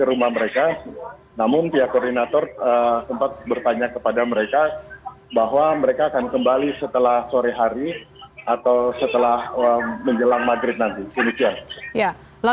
untuk para pengusaha